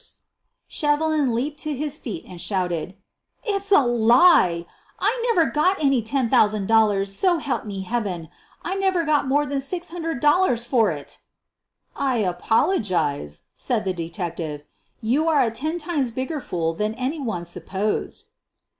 Shevelin leaped to his feet and shouted. "It's a lie. I never got any $10,000, so help m© heaven. I never got more than $600 for it." "I apologize," said the detective, "you are a ten times bigger fool than any one supposed."